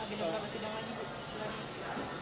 ada agen apa apa sidang lagi bu